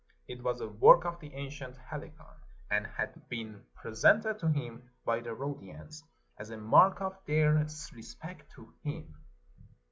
It was a work of the ancient Helicon, and had been pre sented to him by the Rhodians, as a mark of their re spect to him.